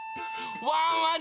ワンワン